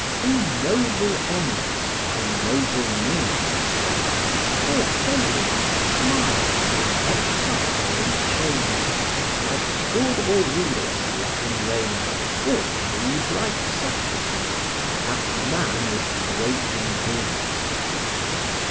Who noble ends by noble means obtains, Or failing, smiles in exile or in chains, Like good Aurelius let him reign, or bleed Like Socrates, that man is great indeed.